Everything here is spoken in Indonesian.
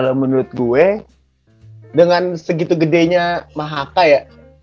kalau menurut gue dengan segitu gedenya mahaka ya